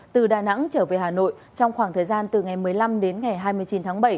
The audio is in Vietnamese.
từ đà nẵng trở về hà nội trong khoảng thời gian từ ngày một mươi năm đến ngày hai mươi chín tháng bảy